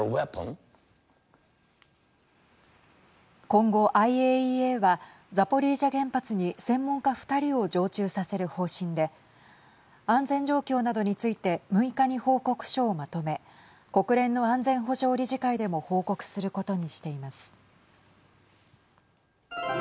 今後、ＩＡＥＡはザポリージャ原発に専門家２人を常駐させる方針で安全状況などについて６日に報告書をまとめ国連の安全保障理事会でも報告することにしています。